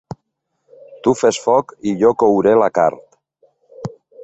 Tu fes foc i jo couré la carn.